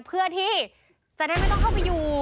เพื่อที่จะได้ไม่ต้องเข้าไปอยู่